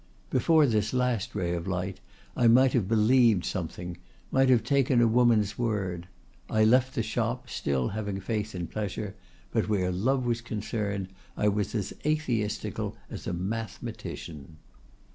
Before this last ray of light I might have believed something—might have taken a woman's word. I left the shop still having faith in pleasure, but where love was concerned I was as atheistical as a mathematician.